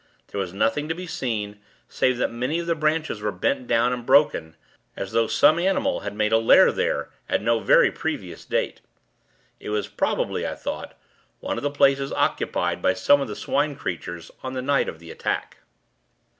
There was nothing to be seen, save that many of the branches were bent down, and broken; as though some animal had made a lair there, at no very previous date. It was probably, I thought, one of the places occupied by some of the Swine creatures, on the night of the attack.